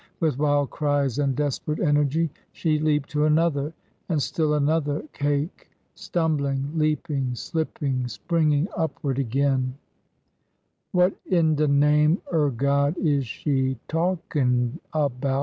With wild cries and desper ate energy she leaped to another and still another cake :— stumbling — leaping — slipping— springing upward again !" SELECT READINGS 135 What in de name er God is she talkin' about?"